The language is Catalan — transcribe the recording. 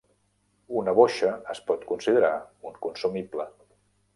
Una boixa es pot considerar un "consumible".